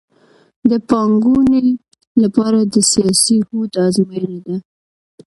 د پانګونې لپاره د سیاسي هوډ ازموینه ده